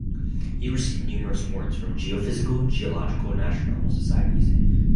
He received numerous awards from geophysical, geological and astronomical societies.